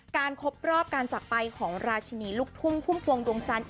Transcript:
การครบพรอบการจักรไปของราชินีลุกทุ่มภูมิปวงดวงจันทร์